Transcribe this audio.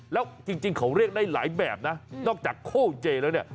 แล้วจริงเขาเรียกได้หลายแบบนะนอกจากโคเจแล้วเนี่ย